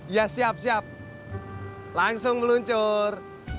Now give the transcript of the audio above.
ya siap siap langsung meluncur